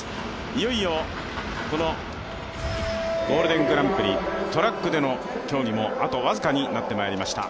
いよいよ、このゴールデングランプリ、トラックでの競技もあと僅かになってきました。